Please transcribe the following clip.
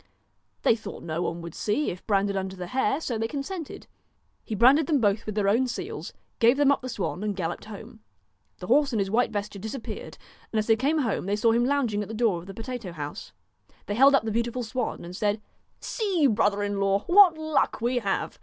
They thought no one would see if branded under the hair, so they consented. He branded them both with their own seals, gave them up the swan and galloped home. The horse and his white vesture disappeared, and as they came home they saw him lounging at the door of the potato house. They held up the beautiful swan, and said :' See, brother in law, what luck we have.